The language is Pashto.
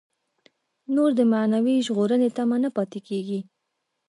نور د معنوي ژغورنې تمه نه پاتې کېږي.